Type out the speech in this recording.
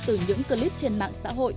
từ những clip trên mạng xã hội